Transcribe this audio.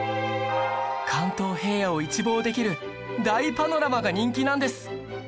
関東平野を一望できる大パノラマが人気なんです！